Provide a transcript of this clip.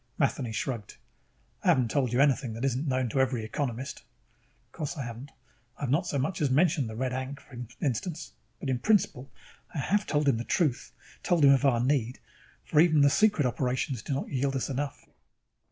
Matheny shrugged. "I haven't told you anything that isn't known to every economist." _Of course I haven't. I've not so much as mentioned the Red Ankh, for instance. But, in principle, I have told him the truth, told him of our need; for even the secret operations do not yield us enough.